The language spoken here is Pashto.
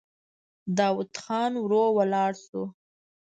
داوود خان ورو ولاړ شو.